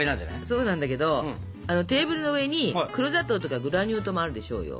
そうなんだけどテーブルの上に黒砂糖とかグラニュー糖もあるでしょうよ？